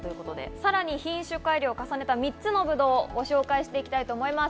さらに品種改良を重ねた３つのブドウをご紹介します。